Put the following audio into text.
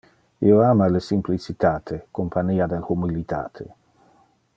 Io ama le simplicitate compania del humilitate.